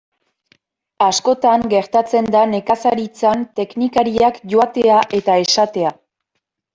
Askotan gertatzen da nekazaritzan teknikariak joatea eta esatea.